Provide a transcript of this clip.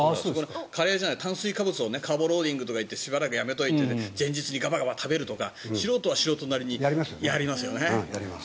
カレーじゃないけど炭水化物をカーボローディングと言って前日はやめておいて前日にガバガバ食べるとか素人は素人なりにやりますよね。